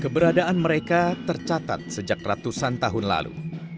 keberadaan mereka tercatat sejak ratusan tahun lalu